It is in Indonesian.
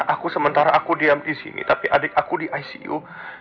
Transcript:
aku sementara aku diam di sini tapi adik aku di icu